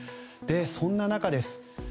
そんな中です